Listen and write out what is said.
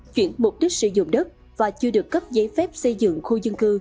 chuyển mục đích sử dụng đất và chưa được cấp giấy phép xây dựng khu dân cư